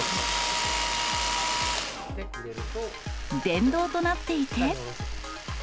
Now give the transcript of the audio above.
電動となっていて。